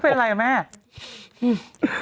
เกิดเป็นอะไรกันนะคะ